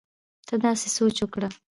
ته داسې سوچ وکړه